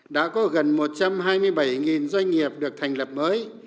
đã có gần một trăm hai mươi bảy doanh nghiệp được thành lập mới